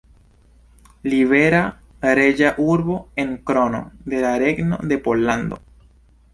Libera reĝa urbo en Krono de la Regno de Pollando.